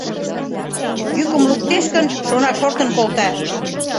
Йӱкым луктеш гын, шона, шортын колта.